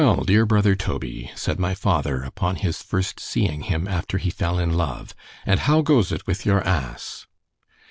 dear brother Toby, said my father, upon his first seeing him after he fell in love—and how goes it with your ASSE?